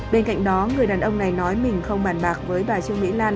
bên cạnh đó người đàn ông này nói mình không bàn bạc với bà trương mỹ lan